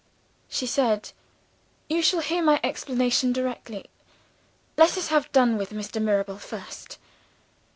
"She said, 'You shall hear my explanation directly. Let us have done with Mr. Mirabel first.